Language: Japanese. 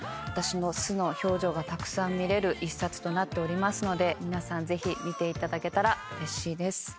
私の素の表情がたくさん見れる１冊となっておりますので皆さんぜひ見ていただけたらうれしいです。